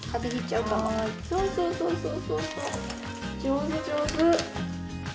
上手上手。